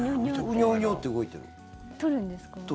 ウニョウニョって動いてる。